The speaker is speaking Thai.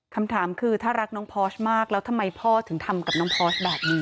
คำถามคือถ้ารักน้องพอร์ชมากแล้วทำไมพ่อถึงทำกับน้องพอร์สแบบนี้